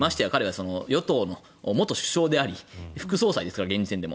与党の元首相であり副総裁ですよ、現時点でも。